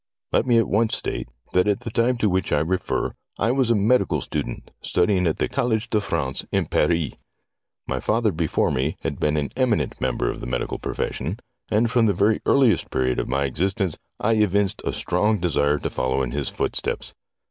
Let me at once state that at the time to which I refer I was a medical student, studying at the College de France in Paris. My father before me had been an eminent member of the medical profession, and from the very earliest period of my existence I evinced a strong desire to follow in his foot steps.